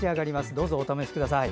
どうぞお試しください。